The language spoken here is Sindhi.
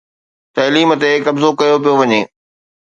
تعليم تي قبضو ڪيو پيو وڃي